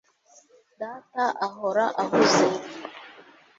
Data ahora ahuze